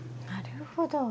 なるほど。